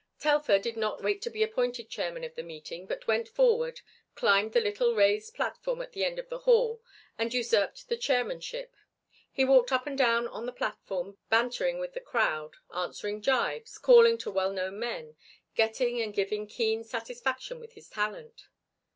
Telfer did not wait to be appointed chairman of the meeting, but went forward, climbed the little raised platform at the end of the hall, and usurped the chairmanship. He walked up and down on the platform bantering with the crowd, answering gibes, calling to well known men, getting and giving keen satisfaction with his talent.